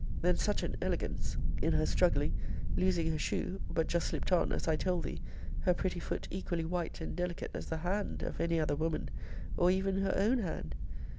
then such an elegance! In her struggling losing her shoe, (but just slipt on, as I told thee,) her pretty foot equally white and delicate as the hand of any other woman, or even her own hand!